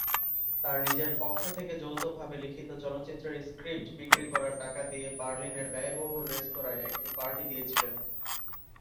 তার নিজের পক্ষ থেকে, যৌথভাবে লিখিত চলচ্চিত্রের স্ক্রিপ্ট বিক্রি করার টাকা দিয়ে বার্লিনের ব্যয়বহুল রেস্তোঁরায় একটি পার্টি দিয়েছিলেন।